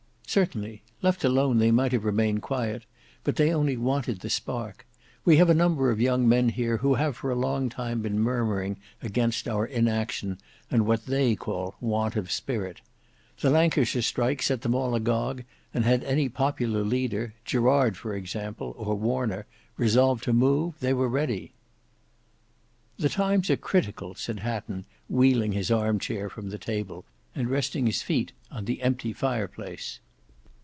"Certainly. Left alone they might have remained quiet; but they only wanted the spark. We have a number of young men here who have for a long time been murmuring against our inaction and what they call want of spirit. The Lancashire strike set them all agog; and had any popular leader, Gerard for example or Warner, resolved to move, they were ready." "The times are critical," said Hatton wheeling his arm chair from the table and resting his feet on the empty fire place.